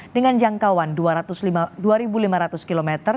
dengan jangkauan dua lima ratus km